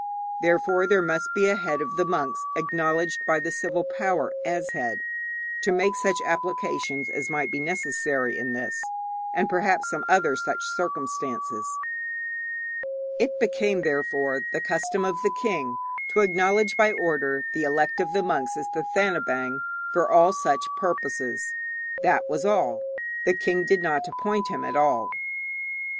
Therefore there must be a head of the monks acknowledged by the civil power as head, to make such applications as might be necessary in this, and perhaps some other such circumstances. It became, therefore, the custom for the king to acknowledge by order the elect of the monks as Thathanabaing for all such purposes. That was all. The king did not appoint him at all.